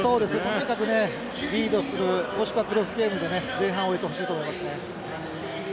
とにかくねリードするもしくはクロスゲームでね前半を終えてほしいと思いますね。